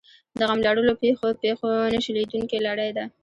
د غم لړلو پېښو نه شلېدونکې لړۍ ده.